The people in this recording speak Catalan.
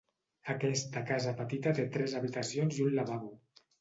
Aquesta casa petita té tres habitacions i un lavabo.